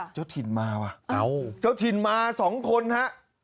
เจ้าถิ่นมาว่ะเจ้าถิ่นมาสองคนฮะ